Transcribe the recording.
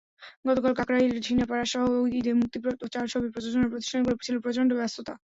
গতকাল কাকরাইলের সিনেপাড়াসহ ঈদে মুক্তিপ্রাপ্ত চার ছবির প্রযোজনা প্রতিষ্ঠানগুলোয় ছিল প্রচণ্ড ব্যস্ততা।